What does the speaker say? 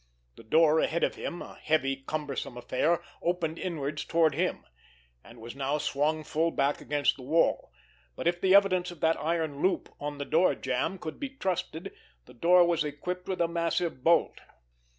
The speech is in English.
The door ahead of him, a heavy, cumbersome affair, opened inwards toward him, and was now swung full back against the wall, but if the evidence of that iron loop on the door jamb could be trusted, the door was equipped with a massive bolt.